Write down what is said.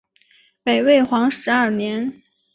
北魏皇始二年。